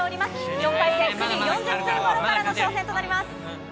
４回戦、９時４０分ごろからの挑戦となります。